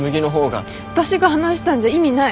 私が話したんじゃ意味ない。